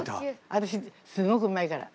私すんごくうまいから。